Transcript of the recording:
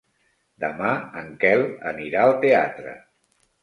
Demà en Quel anirà al teatre.